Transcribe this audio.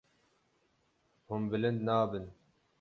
Hûn bilind nabin.